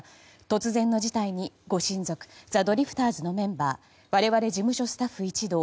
突然の事態にご親族ザ・ドリフターズのメンバー我々事務所スタッフ一同